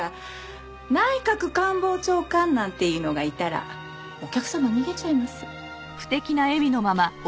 内閣官房長官なんていうのがいたらお客様逃げちゃいます。